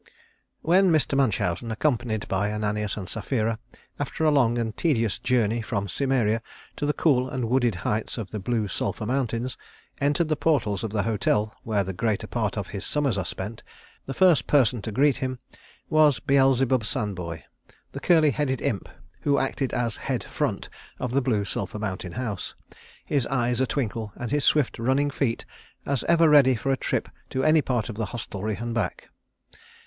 When Mr. Munchausen, accompanied by Ananias and Sapphira, after a long and tedious journey from Cimmeria to the cool and wooded heights of the Blue Sulphur Mountains, entered the portals of the hotel where the greater part of his summers are spent, the first person to greet him was Beelzebub Sandboy, the curly headed Imp who acted as "Head Front" of the Blue Sulphur Mountain House, his eyes a twinkle and his swift running feet as ever ready for a trip to any part of the hostelry and back.